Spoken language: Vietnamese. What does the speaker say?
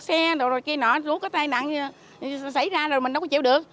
xe rồi kia nọ rút cái tay nặng xảy ra rồi mình đâu có chịu được